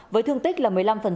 với thương tích là một mươi năm